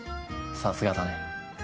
さすがだね。